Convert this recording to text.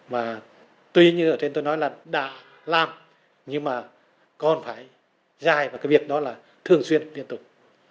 và tuy như ở trên tôi nói là đã làm nhưng mà còn phải dài vào cái việc đó là thường xuyên liên tục